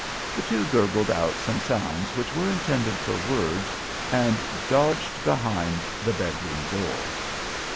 The two gurgled out some sounds which were intended for words and doged behind the bedroom door.